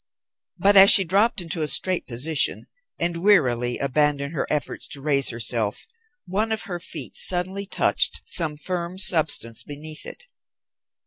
But as she dropped into a straight position, and wearily abandoned her efforts to raise herself, one of her feet suddenly touched some firm substance beneath it.